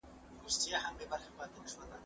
زه بايد ليکنه وکړم؟!